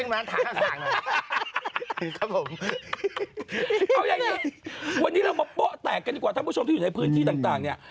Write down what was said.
เอาแบบนี้เรามาแตกกันดีกว่าถ้าผู้ชมได้พื้นที่ต่างต่างเนี่ย